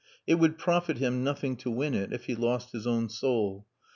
It would profit him nothing to win it, if he lost his own soul.